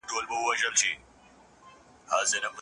د علماوو شتون ټولني ته ډاډ ورکوي.